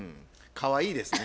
かわいいですね。